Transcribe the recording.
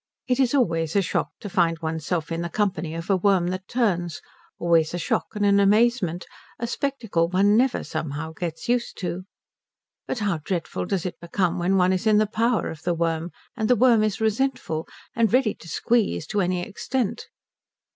It is always a shock to find one's self in the company of a worm that turns, always a shock and an amazement; a spectacle one never, somehow, gets used to. But how dreadful does it become when one is in the power of the worm, and the worm is resentful, and ready to squeeze to any extent.